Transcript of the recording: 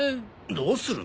どうするの？